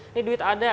ini duit ada